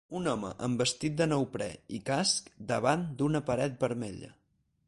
Un home amb vestit de neoprè i casc davant d'una paret vermella.